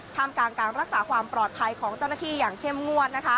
กลางการรักษาความปลอดภัยของเจ้าหน้าที่อย่างเข้มงวด